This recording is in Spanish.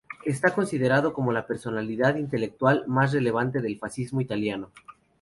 Está considerado como la personalidad intelectual más relevante del fascismo italiano.